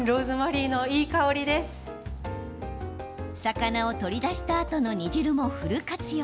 魚を取り出したあとの煮汁もフル活用。